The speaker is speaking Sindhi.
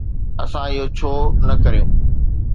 اسان اهو ڇو نه ڪريون؟